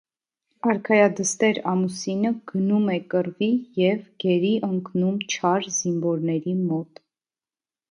Արքայադստեր ամուսինը գնում է կռվի և գերի ընկնում չար զինվորների մոտ։